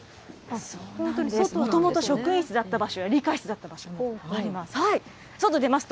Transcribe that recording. もともと職員だった場所や、理科室だった場所もあります。